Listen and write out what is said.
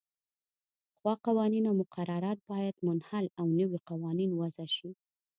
پخوا قوانین او مقررات باید منحل او نوي قوانین وضعه شي.